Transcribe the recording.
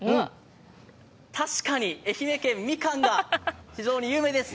確かに愛媛県、みかんが非常に有名です。